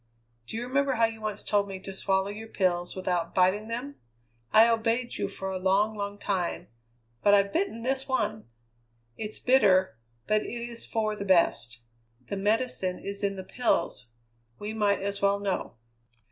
Do you remember how you once told me to swallow your pills without biting them? I obeyed you for a long, long time; but I've bitten this one! It's bitter, but it is for the best. The medicine is in the pills; we might as well know."